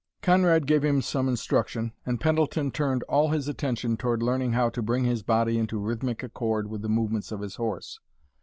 Conrad gave him some instruction, and Pendleton turned all his attention toward learning how to bring his body into rhythmic accord with the movements of his horse.